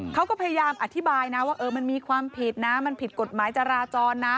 เขาก็พยายามอธิบายนะว่ามันมีความผิดนะมันผิดกฎหมายจราจรนะ